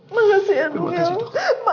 makasih ya dok ya